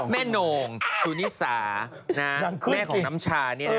แม่โหน่งสุนีสาแม่ของน้ำชานี้นะ